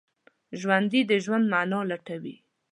ژوندي د ژوند معنی لټوي